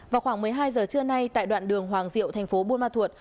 vào khoảng một mươi hai giờ trưa nay tại đoạn đường hoàng diệu thành phố buôn ma thuột